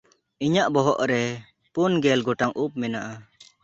ᱤᱧᱟᱜ ᱵᱚᱦᱚᱜ ᱨᱮ ᱯᱩᱱ ᱜᱮᱞ ᱜᱚᱴᱟᱝ ᱩᱵ ᱢᱮᱱᱟᱜᱼᱟ᱾